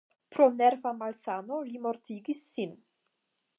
Pro nerva malsano li mortigis sin.